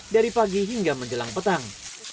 dari pagi hingga menjelang petang